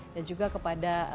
dan juga kepada